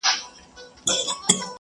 څنګه صادرات پر نورو هیوادونو اغیز کوي؟